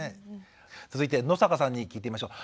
続いて野坂さんに聞いてみましょう。